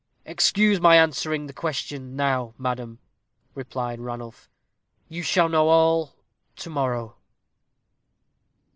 "Excuse my answering the question now, madam," replied Ranulph; "you shall know all to morrow."